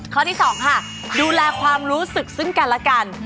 ข้อที่๒ค่ะดูแลความรู้สึกซึ่งกันแล้วกัน